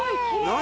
何？